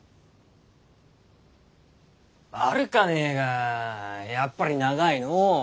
悪かねぇがやっぱり長いのう。